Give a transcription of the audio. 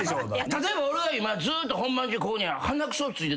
例えば俺がずっと本番中ここに。